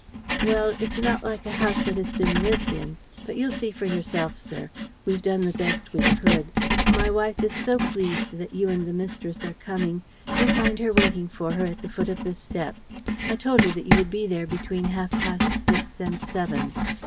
"Well, it's not like a house that has been lived in; but you'll see for yourself, sir. We've done the best we could. My wife is so pleased that you and the mistress are coming! You'll find her waiting for her at the foot of the steps. I told her that you would be there between half past six and seven.